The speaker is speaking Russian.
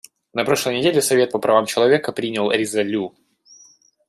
На прошлой неделе Совет по правам человека принял резолю.